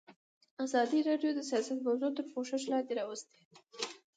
ازادي راډیو د سیاست موضوع تر پوښښ لاندې راوستې.